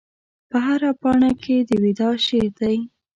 په هره پاڼه کې د وداع شعر دی